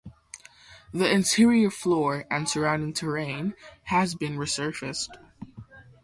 The interior floor and surrounding terrain has been resurfaced.